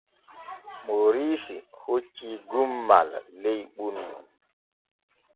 Mooriisi hoccii gummal ley ɓunnu.